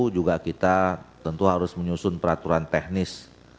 juga kita tentu harus menyusun peraturan teknis